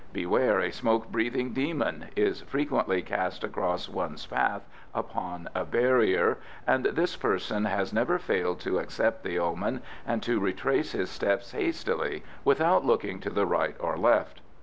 "Beware a smoke breathing demon," is frequently cast across one's path upon a barrier, and this person has never failed to accept the omen and to retrace his steps hastily without looking to the right or the left.